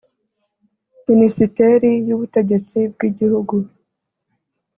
Minisiteri y Ubutegetsi bw Igihugu